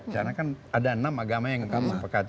karena kan ada enam agama yang mengangkat